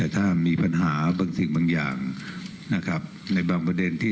ไทยอย่างเต็มที่